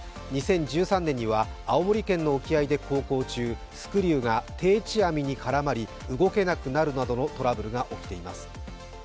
２０１３年には青森県の沖合で航行中スクリューが定置網に絡まり、動けなくなるなどのトラブルが起きています。